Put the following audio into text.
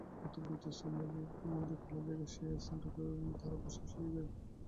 প্রথম ও দ্বিতীয় শ্রেণীর মধ্যে খোলা জায়গা, সেই স্থানটায় তারা বসে শুয়ে যায়।